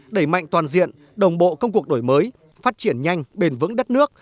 đẩy mạnh toàn diện đồng bộ công cuộc đổi mới phát triển nhanh bền vững đất nước